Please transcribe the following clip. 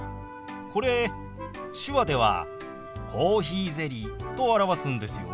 これ手話では「コーヒーゼリー」と表すんですよ。